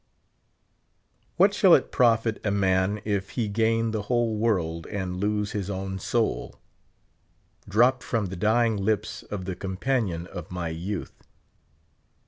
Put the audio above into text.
"What shall it profit a man if he gain the whole world and lose his own soul ?" dropped from the dying lips of the companion of my youth.